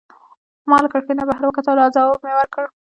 ما له کړکۍ نه بهر وکتل او ځواب مي ورکړ.